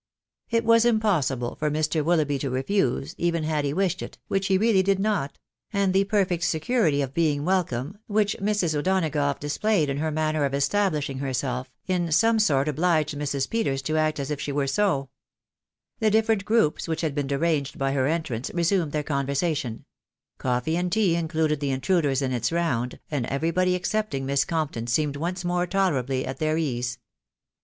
Jt was impossible for Mr. Willoughby to refuse, even had he wished it, which he really did not ; and the perfect aecurity of being welcome, which Mrs. O'Donagough displayed in her manner of establishing herself, in some sort obliged Mrs. Peters to act as if she were so •••• The different groups which had been deranged by her entrance resumed their con versation ; coffee and tea included the intruders in its round, and every body excepting Miss Compton seemed once more tolerably at their ease.